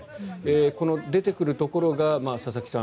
この出てくるところが佐々木さん